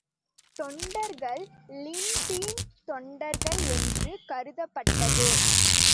தொண்டர்கள் லின்பீன் தொண்டார்கள் என்று கருதப்பட்டது.